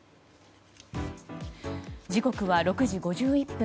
時刻は６時５１分。